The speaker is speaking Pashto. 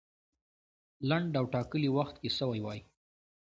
لنډ او ټاکلي وخت کې سوی وای.